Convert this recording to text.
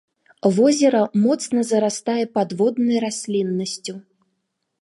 Возера моцна зарастае падводнай расліннасцю.